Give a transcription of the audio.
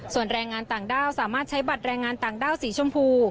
ส่วนแรงงานต่างด้าวสามารถใช้บัตรแรงงานต่างด้าวสีชมพู